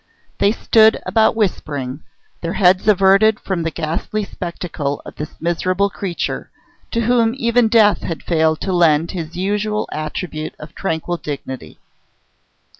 They stood about whispering, their heads averted from the ghastly spectacle of this miserable creature, to whom even death had failed to lend his usual attribute of tranquil dignity.